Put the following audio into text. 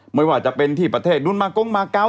ไม่ว่าจะเป็นที่ประเทศนุนมะก้งมะก้าว